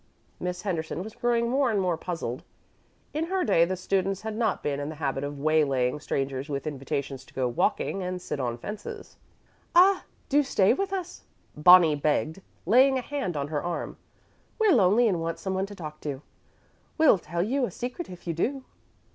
Miss Henderson was growing more and more puzzled. In her day the students had not been in the habit of way laying strangers with invitations to go walking and sit on fences. "Ah, do stay with us," Bonnie begged, laying a hand on her arm. "We're lonely and want some one to talk to we'll tell you a secret if you do."